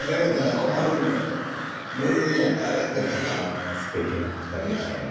いやすてきなお二人でしたね。